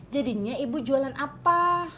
jadinya ibu jualan apa